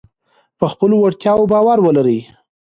په خپلو وړتیاوو باور ولرئ.